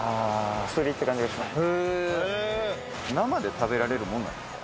生で食べられるものなんですか？